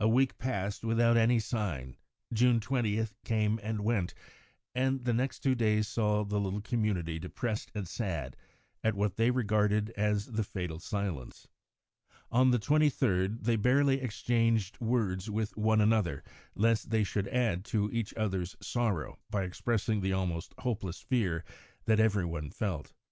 A week passed without any sign; June 20th came and went, and the next two days saw the little community depressed and sad at what they regarded as the fatal silence. On the 23rd they barely exchanged words with one another, lest they should add to each other's sorrow by expressing the almost hopeless fear that every one felt.